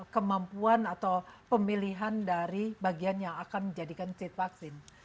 kemampuan atau pemilihan dari bagian yang akan menjadikan tweet vaksin